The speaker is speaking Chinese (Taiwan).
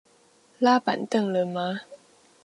拉板凳了嗎